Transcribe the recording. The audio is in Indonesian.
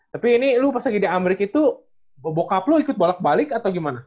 tapi ini lo pas lagi di amerika itu bokap lo ikut bolak balik atau gimana